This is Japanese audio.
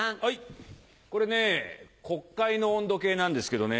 これね国会の温度計なんですけどね。